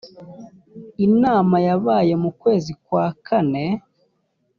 inama yabaye mu kwezi kwa kane